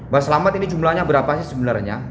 mbak selamat ini jumlahnya berapa sih sebenarnya